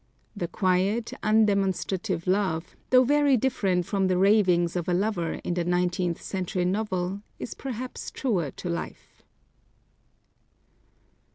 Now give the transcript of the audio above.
The quiet, undemonstrative love, though very different from the ravings of a lover in the nineteenth century novel, is perhaps truer to life.